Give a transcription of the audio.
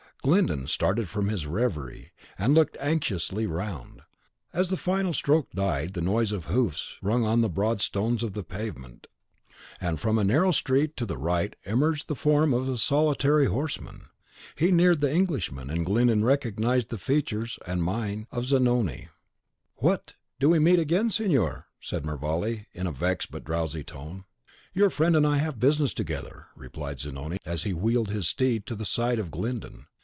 Glyndon started from his reverie, and looked anxiously round. As the final stroke died, the noise of hoofs rung on the broad stones of the pavement, and from a narrow street to the right emerged the form of a solitary horseman. He neared the Englishmen, and Glyndon recognised the features and mien of Zanoni. "What! do we meet again, signor?" said Mervale, in a vexed but drowsy tone. "Your friend and I have business together," replied Zanoni, as he wheeled his steed to the side of Glyndon.